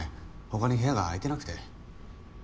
他に部屋が空いてなくて。